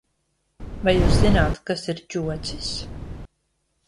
Vai Jūs zināt ,kas ir ķocis?